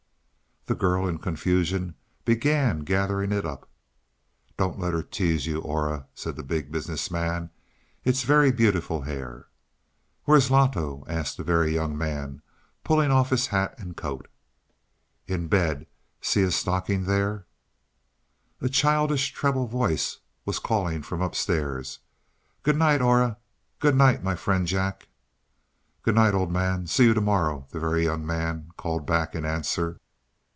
The girl in confusion began gathering it up. "Don't you let her tease you, Aura," said the Big Business Man. "It's very beautiful hair." "Where's Loto?" asked the Very Young Man, pulling off his hat and coat. "In bed see his stocking there." A childish treble voice was calling from upstairs. "Good night, Aura good night, my friend Jack." "Good night, old man see you to morrow," the Very Young Man called back in answer.